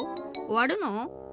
おわるの？